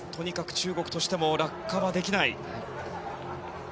中国としても落下はできない。